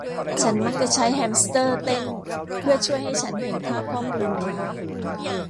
ฉันมักจะใช้แฮมสเตอร์เต้นเพื่อช่วยให้ฉันเห็นภาพข้อมูล